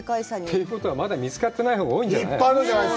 ということは、まだ見つかってないものが多いんじゃない？